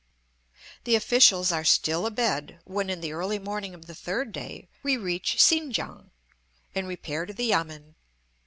The officials are still abed when, in the early morning of the third day, we reach Sin kiang, and repair to the yamen.